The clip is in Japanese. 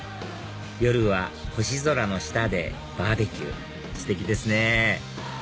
夜は星空の下でバーベキューステキですね